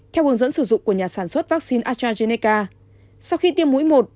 theo hướng dẫn sử dụng của nhà sản xuất vaccine astrazeneca sau khi tiêm mũi một